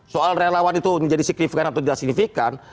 soal relawan itu menjadi signifikan atau tidak signifikan